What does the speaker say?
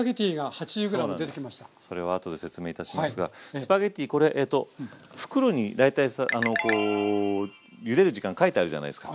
スパゲッティこれ袋に大体こうゆでる時間書いてあるじゃないですか。